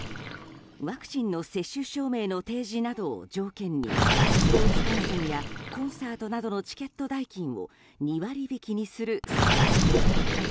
ワクチンの接種証明の提示などを条件にスポーツ観戦やコンサートなどのチケット代金を２割引きにする制度。